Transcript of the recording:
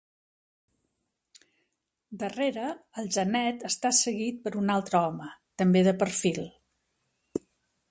Darrere el genet està seguit per un altre home, també de perfil.